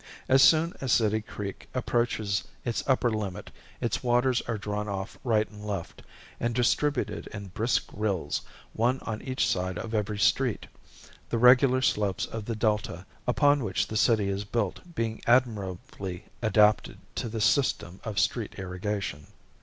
As soon as City Creek approaches its upper limit its waters are drawn off right and left, and distributed in brisk rills, one on each side of every street, the regular slopes of the delta upon which the city is built being admirably adapted to this system of street irrigation.